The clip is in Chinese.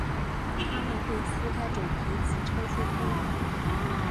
它们会撕开种皮及抽出胚。